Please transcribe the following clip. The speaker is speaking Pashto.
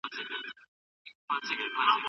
ما مي د بابا په هدیره کي ځان لیدلی وو